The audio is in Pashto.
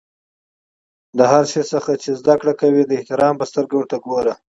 له هر شي څخه چي زدکړه کوى؛ د احترام په سترګه ورته ګورئ!